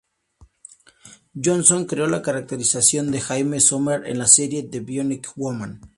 Johnson creó la caracterización de Jaime Sommers en la serie "The Bionic Woman".